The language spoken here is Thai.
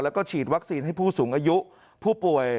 แล้วก็ฉีดวัคซีนให้ผู้สูงอายุผู้ป่วย